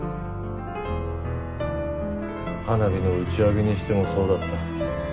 花火の打ち上げにしてもそうだった。